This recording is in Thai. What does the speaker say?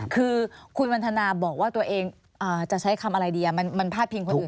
คือคุณวันทนาบอกว่าตัวเองจะใช้คำอะไรดีมันพาดพิงคนอื่น